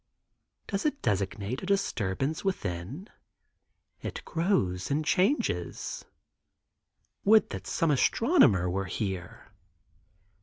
Does it designate a disturbance within? It grows and changes. Would that some astronomer were here.